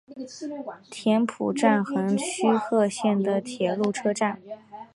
田浦站横须贺线的铁路车站。